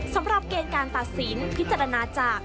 สำหรับเกณฑ์การตัดสินพิจารณาจาก